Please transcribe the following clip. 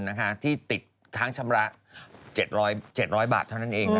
ที่ติดค้างชำระ๗๐๐๗๐๐บาทเท่านั้นเอง